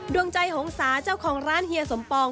ดวงใจหงษาเจ้าของร้านเฮียสมปอง